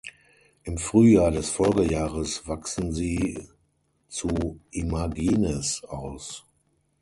Im Frühjahr des Folgejahres wachsen sie zu Imagines aus.